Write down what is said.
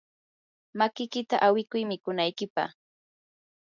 makiykita awikuy mikunaykipaq.